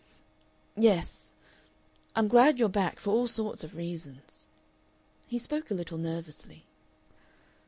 "Yes. I'm glad you're back for all sorts of reasons." He spoke a little nervously.